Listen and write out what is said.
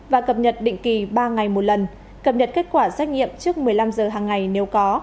và cập nhật định kỳ ba ngày một lần cập nhật kết quả xét nghiệm trước một mươi năm giờ hàng ngày nếu có